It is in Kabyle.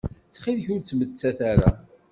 Ttxil-k ur ttmettat ara.